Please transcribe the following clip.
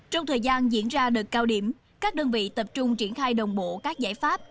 trong thời gian diễn ra đợt cao điểm các đơn vị tập trung triển khai đồng bộ các giải pháp